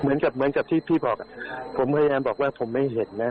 เหมือนกับเหมือนกับที่พี่บอกผมพยายามบอกว่าผมไม่เห็นนะ